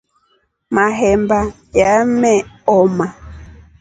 Mahemba yameoma.